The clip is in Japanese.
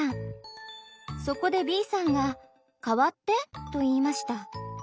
そこでＢさんが「代わって」と言いました。